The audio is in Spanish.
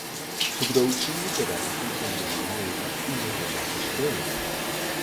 Su producción literaria comprende la novela y los relatos breves.